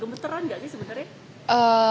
gemeteran nggak ini sebenarnya